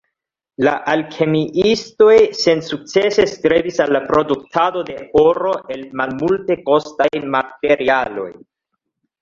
La alkemiistoj sensukcese strebis al la produktado de oro el malmultekostaj materialoj.